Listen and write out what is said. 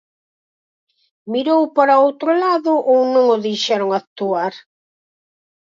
Mirou para outro lado ou non o deixaron actuar?